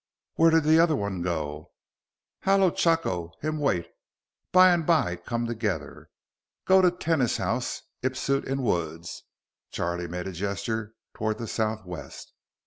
"Where did the other one go?" "Halo chako. Him wait. By and by come together. Go to tenas house ipsoot in woods." Charlie made a gesture toward the southwest.